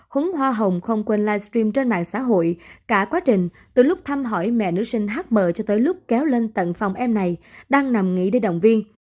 húng hoa hồng không quên livestream trên mạng xã hội cả quá trình từ lúc thăm hỏi mẹ nữ sinh hát mờ cho tới lúc kéo lên tận phòng em này đang nằm nghỉ để động viên